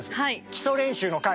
「基礎練習」の回！